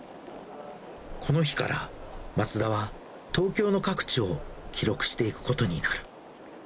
この日から、松田は、東京の各地を記録していくことになる。